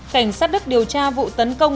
cảnh sát đức điều tra vụ tấn công